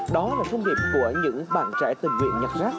đó là công nghiệp của những bạn trẻ tỉnh nguyện nhặt rác